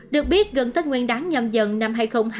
được biết gần tết nguyên đáng nhầm dần năm hai nghìn hai mươi hai